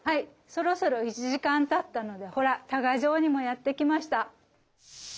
そろそろ１時間たったのでほら多賀城にもやって来ました。